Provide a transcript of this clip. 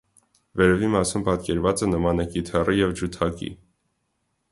Վերևի մասում պատկերվածը նման է կիթառի և ջութակի։